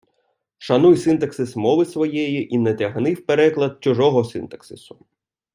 Шануй синтаксис мови своєї і не тягни в переклад чужого синтаксису.